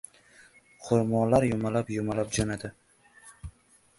Xurmolar yumalab-yumalab jo‘nadi.